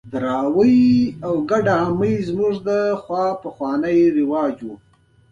زه خپل ځان څرنګه وینم؟